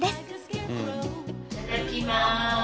いただきます。